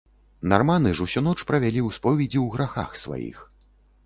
Нарманы ж усю ноч правялі ў споведзі ў грахах сваіх.